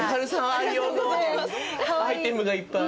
愛用のアイテムがいっぱい。